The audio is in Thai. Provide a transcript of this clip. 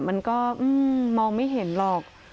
มันก็มองไม่เห็นหรอก